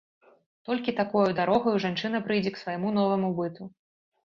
Толькі такою дарогаю жанчына прыйдзе к свайму новаму быту.